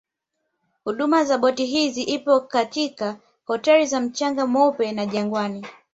Huduma ya boti hizi ipo katika hoteli za mchanga mweupe na Jangwani